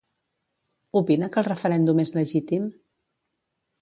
Opina que el referèndum és legítim?